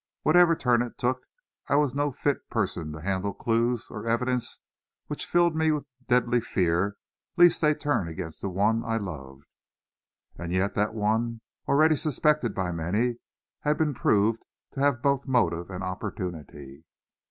Whatever turn it took, I was no fit person to handle clues or evidence which filled me with deadly fear lest they turn against the one I loved. And yet that one, already suspected by many, had been proved to have both motive and opportunity.